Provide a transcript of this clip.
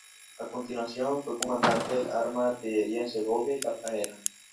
A continuación fue comandante del arma de Artillería en Segovia y Cartagena.